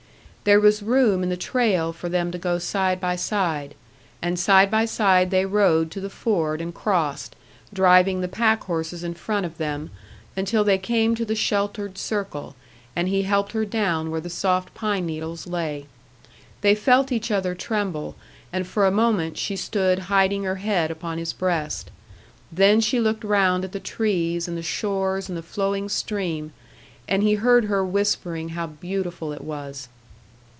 There was room in the trail for them to go side by side; and side by side they rode to the ford and crossed, driving the packhorses in front of them, until they came to the sheltered circle, and he helped her down where the soft pine needles lay. They felt each other tremble, and for a moment she stood hiding her head upon his breast. Then she looked round at the trees, and the shores, and the flowing stream, and he heard her whispering how beautiful it was.